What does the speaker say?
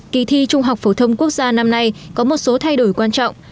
kỳ thi trung học phổ thông quốc gia năm nay có một số thay đổi quan trọng